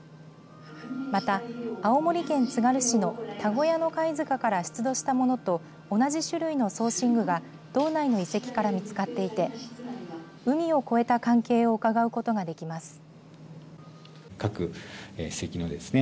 また、青森県つがる市の田小屋野貝塚から出土したものと同じ種類の装身具が道内の遺跡から見つかっていて海を越えた関係をうかがうことができます。